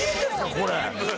これ。